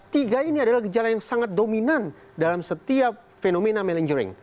tiga ini adalah gejala yang sangat dominan dalam setiap fenomena melinggering